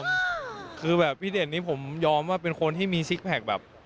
คือแบบพี่เด่นนี่ผมยอมว่าเป็นคนที่มีซิกแพคแบบ